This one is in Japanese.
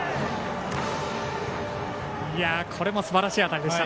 これもすばらしい当たりでした。